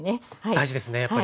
大事ですねやっぱり。